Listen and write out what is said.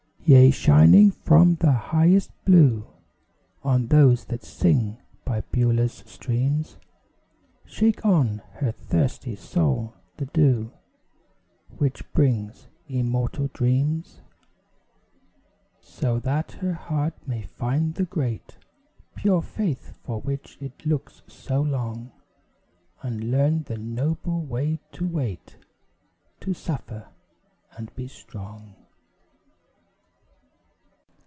Yea, shining from the highest blue On those that sing by Beulah's streams, Shake on her thirsty soul the dew Which brings immortal dreams. So that her heart may find the great, Pure faith for which it looks so long; And learn the noble way to wait, To suffer, and be strong.